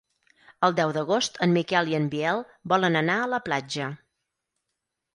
El deu d'agost en Miquel i en Biel volen anar a la platja.